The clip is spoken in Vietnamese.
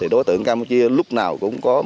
đối tượng campuchia lúc nào cũng có